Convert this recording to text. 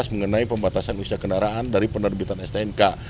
mengenai pembatasan usia kendaraan dari pendaduk bintang stnk